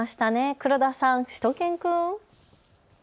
黒田さん、しゅと犬くん。